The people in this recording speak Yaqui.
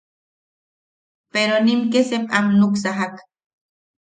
Peronim ke sep am nuksajak.